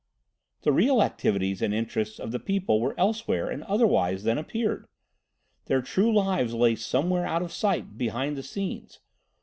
The real activities and interests of the people were elsewhere and otherwise than appeared. Their true lives lay somewhere out of sight behind the scenes.